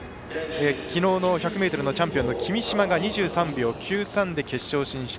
きのうの１００ｍのチャンピオン君嶋が２３秒９３で決勝進出。